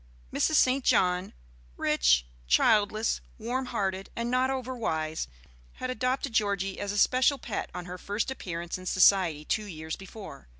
Mrs. St. John, rich, childless, warm hearted, and not over wise, had adopted Georgie as a special pet on her first appearance in society two years before.